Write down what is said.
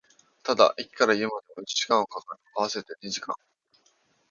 ただ、駅から家までも一時間は掛かる、合わせて二時間